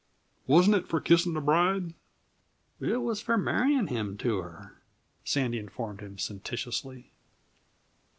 Wasn't it for kissin' the bride?" "It was for marrying him to her," Sandy informed him sententiously.